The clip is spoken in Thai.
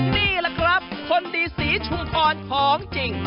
นี่ล่ะครับคนดีสีชุ่มอ่อนของจริง